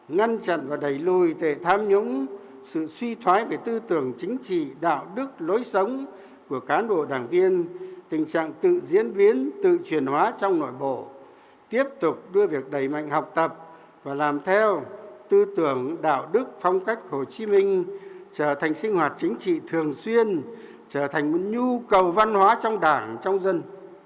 ngăn chặn và đẩy lùi tệ tham nhũng sự suy thoái về tư tưởng chính trị đạo đức lối sống của cán bộ đảng viên tình trạng tự diễn biến tự truyền hóa trong nội bộ tiếp tục đưa việc đẩy mạnh học tập và làm theo tư tưởng đạo đức phong cách hồ chí minh trở thành sinh hoạt chính trị thường xuyên trở thành một nhu cầu văn hóa trong đảng trong dân